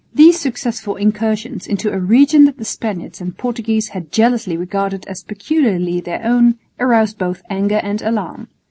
These successful incursions into a region that the Spaniards and Portuguese had jealously regarded as peculiarly their own aroused both anger and alarm.